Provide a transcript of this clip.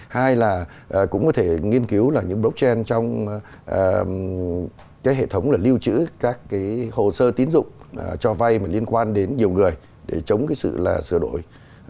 hai là cũng có thể nghiên cứu là những blockchain trong cái hệ thống là lưu trữ các cái hồ sơ tiến dụng cho vay mà liên quan đến nhiều người để chống cái sự là sửa đổi